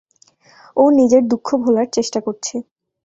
ও নিজের দুঃখ ভোলার চেষ্টা করছে।